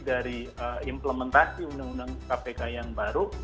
dari implementasi undang undang kpk yang baru